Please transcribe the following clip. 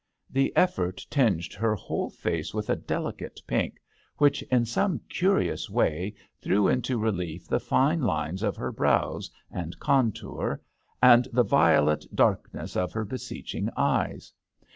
The effort tinged her whole face with a delicate pink, which in some curious way threw into relief the fine lines of her brows and contour and the violet dark ness of her beseeching eyes.